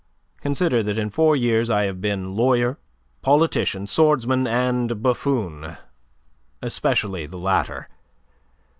Consider that in four years I have been lawyer, politician, swordsman, and buffoon especially the latter.